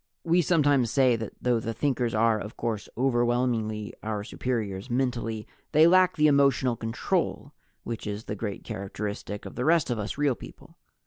We sometimes say that though the Thinkers are of course overwhelmingly our superiors mentally, they lack the emotional control which is the great characteristic of the rest of us Real People.